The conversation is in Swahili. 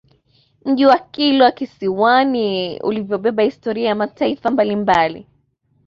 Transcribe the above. Mji wa Kilwa Kisiwani ulivyobeba historia ya mataifa mbalimbali